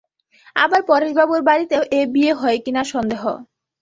আবার পরেশবাবুর বাড়িতেও এ বিয়ে হয় কি না সন্দেহ।